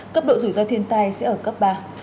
cấp độ rủi ro thiên tai sẽ ở cấp ba